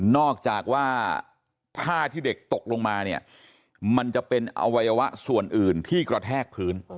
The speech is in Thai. อกจากว่าท่าที่เด็กตกลงมาเนี่ยมันจะเป็นอวัยวะส่วนอื่นที่กระแทกพื้น